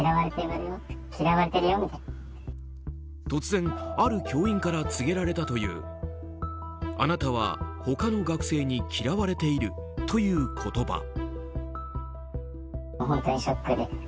突然、ある教員から告げられたというあなたは他の学生に嫌われているという言葉。